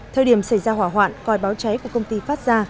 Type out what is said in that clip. thời điểm xảy ra hỏa hoạn coi báo cháy của công ty phát ra